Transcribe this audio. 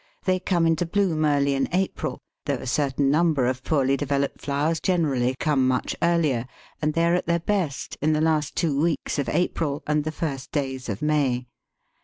They come into bloom early in April, though a certain number of poorly developed flowers generally come much earlier, and they are at their best in the last two weeks of April and the first days of May.